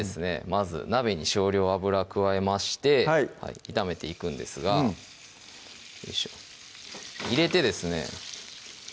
まず鍋に少量油加えまして炒めていくんですがよいしょ入れてですね